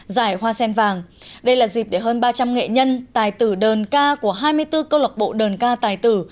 giải hoa sen vàng đây là dịp để hơn ba trăm linh nghệ nhân tài tử đờn ca của hai mươi bốn cơ lộc bộ đờn ca tài tử